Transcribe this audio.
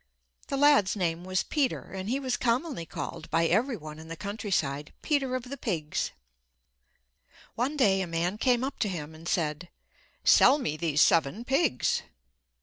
The lad's name was Peter and he was commonly called by every one in the countryside Peter of the pigs. One day a man came up to him and said: "Sell me these seven pigs."